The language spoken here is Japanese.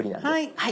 はい。